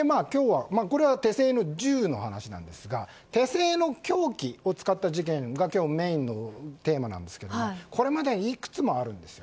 手製の銃の話ですが手製の凶器を使った事件が今日のメインのテーマなんですがこれまでにいくつもあるんです。